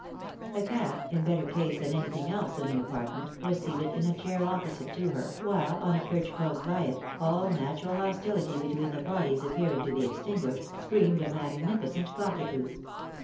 A cat, in better case than any thing else in the apartment, was seated in a chair opposite to her, while on a perch close by it, all natural hostUity between the parties appearing to be extinguished, screamed a magnifi cent cockatoo.